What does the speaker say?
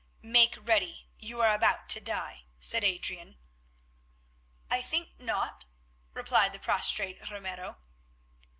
"Make ready, you are about to die," said Adrian. "I think not," replied the prostrate Ramiro.